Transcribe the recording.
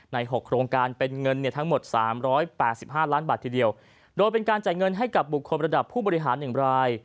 ๖โครงการเป็นเงินทั้งหมด๓๘๕ล้านบาททีเดียวโดยเป็นการจ่ายเงินให้กับบุคคลระดับผู้บริหาร๑ราย